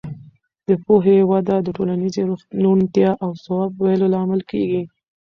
د پوهې وده د ټولنیزې روڼتیا او ځواب ویلو لامل کېږي.